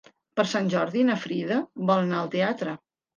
Per Sant Jordi na Frida vol anar al teatre.